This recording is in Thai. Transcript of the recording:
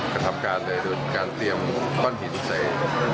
กระทำการด้วยโดยการเตรียมปั้นผิดใส